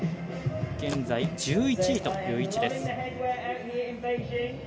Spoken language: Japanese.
現在１１位という位置です。